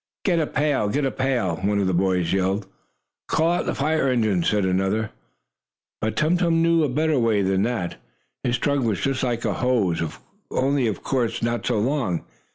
"Get a pail! Get a pail!" one of the boys yelled. "Call out the fire engines!" said another. But Tum Tum knew a better way than that. His trunk was just like a hose, only, of course, not so long.